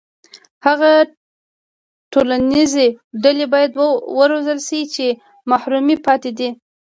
هغه ټولنیزې ډلې باید وروزل شي چې محرومې پاتې دي.